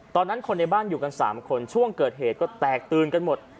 ตอนนั้นคนในบ้านอยู่กัน๓คนช่วงเกิดเหตุก็แตกตื่นกันหมด